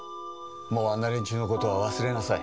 もうあんな連中の事は忘れなさい。